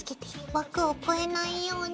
枠を越えないように。